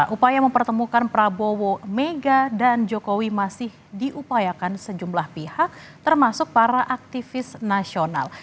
upaya mempertemukan prabowo mega dan jokowi masih diupayakan sejumlah pihak termasuk para aktivis nasional